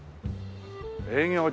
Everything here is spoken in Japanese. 「営業中」。